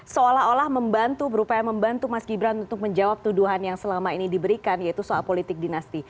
seolah olah membantu berupaya membantu mas gibran untuk menjawab tuduhan yang selama ini diberikan yaitu soal politik dinasti